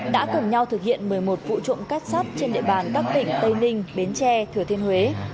đã cùng nhau thực hiện một mươi một vụ trộm cắt sắt trên địa bàn các tỉnh tây ninh bến tre thừa thiên huế